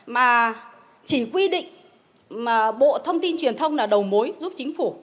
mà chỉ quy định mà bộ thông tin truyền thông là đầu mối giúp chính phủ